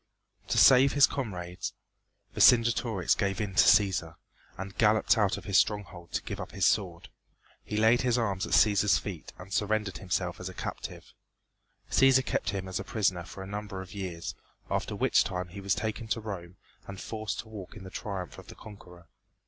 To save his comrades Vercingetorix gave in to Cæsar, and galloped out of his stronghold to give up his sword. He laid his arms at Cæsar's feet and surrendered himself as a captive. Cæsar kept him as a prisoner for a number of years, after which time he was taken to Rome and forced to walk in the triumph of the conqueror.